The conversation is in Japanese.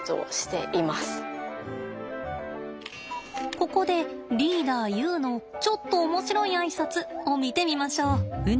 ここでリーダーユウのちょっと面白いあいさつを見てみましょう。